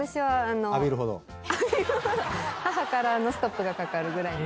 母からのストップがかかるぐらい。